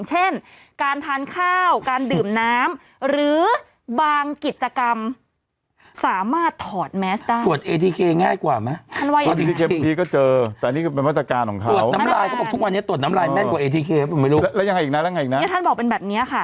อ๋อหนูก็ชั่วพอกันอะ